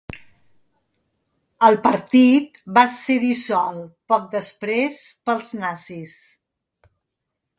El partit va ser dissolt poc després pels nazis.